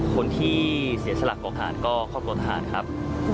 คนที่เสียสละกองหาดก็ครอบครัวทหารครับ